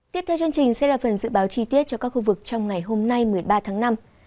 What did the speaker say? tiếp theo chương trình sẽ là phần dự báo chi tiết cho các khu vực trong ngày hôm nay một mươi ba tháng năm